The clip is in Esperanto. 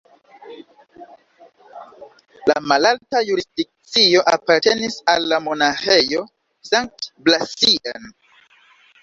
La malalta jurisdikcio apartenis al la Monaĥejo Sankt-Blasien.